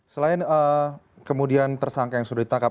selain kemudian tersangka yang sudah ditangkap